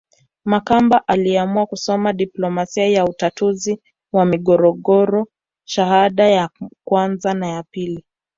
Makamba aliamua kusoma diplomasia ya utatuzi wa migogoro shahada ya kwanza na ya pili